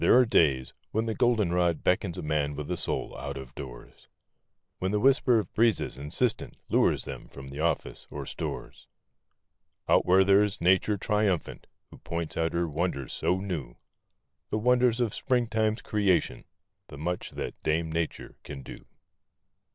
ARE DAYS when the g o 1 d e n rod beckons a man with a soul, out of doors; When the whisper of breezes insist¬ ent lures them from the office or stores. Out where there is Nature triumphant r who points out her wonders so new— The wonders of Springtime's crea t i o n ; the much that Dame Na¬ ture can do.